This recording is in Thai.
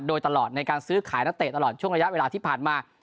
โดยตลอดในการซื้อขายนักเตะตลอดช่วงระยะเวลาที่ผ่านมา